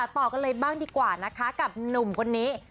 ต่อกันเลยบ้างดีกว่านะคะกับหนุ่มคนนี้